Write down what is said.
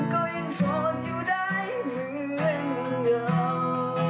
ก็ยังโสดอยู่ใดเหมือนกัน